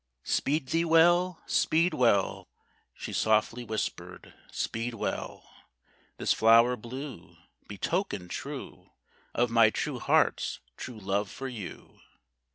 "Speed thee well! Speed well!" She softly whisper'd, "Speed well! This flower blue Be token true Of my true heart's true love for you!"